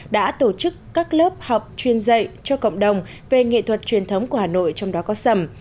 đã tổ chức các lớp học chuyên dạy cho cộng đồng về nghệ thuật truyền thống của hà nội trong đó có sầm